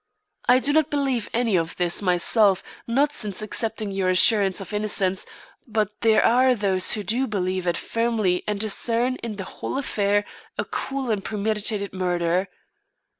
I do not believe any of this myself, not since accepting your assurance of innocence, but there are those who do believe it firmly and discern in the whole affair a cool and premeditated murder.